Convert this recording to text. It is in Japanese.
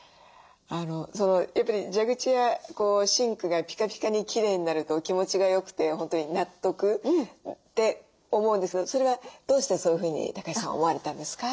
やっぱり蛇口やシンクがピカピカにきれいになると気持ちがよくて本当に納得って思うんですけどそれはどうしてそういうふうに橋さん思われたんですか？